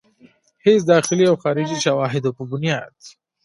هيڅ داخلي او خارجي شواهدو پۀ بنياد